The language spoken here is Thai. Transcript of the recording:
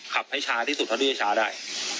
ขับให้ช้าที่สุดเพราะว่าจะช้าได้